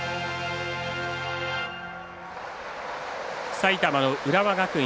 埼玉、浦和学院。